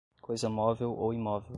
coisa móvel ou imóvel